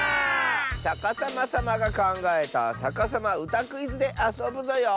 さかさまさまがかんがえた「さかさまうたクイズ」であそぶぞよ！